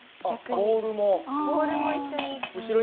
ボールも一緒に。